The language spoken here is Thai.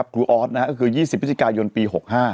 ครูออดนะฮะก็คือ๒๐พยปี๖๕